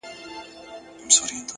خپل کار په مینه ترسره کړئ.!